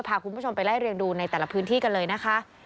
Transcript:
พาคุณผู้ชมไปไล่เรียงดูในแต่ละพื้นที่กันเลยนะคะ